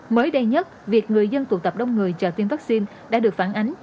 mới đây nhất việc người dân tụ tập đông người chờ tiêm vaccine đã được phản ánh